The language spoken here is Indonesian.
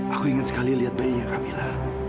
aku ingin sekali lihat bayinya camilla